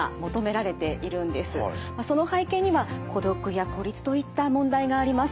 その背景には孤独や孤立といった問題があります。